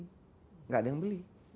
tidak ada yang beli